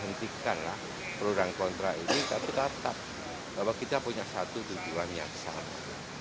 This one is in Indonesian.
hentikanlah pro dan kontra ini tapi tetap bahwa kita punya satu tujuan yang sama